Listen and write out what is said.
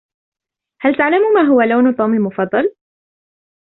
هل تعلم ماهو لون "توم" المفضل؟